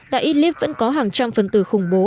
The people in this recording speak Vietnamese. tại idlib vẫn có hàng trăm phần tử khủng bố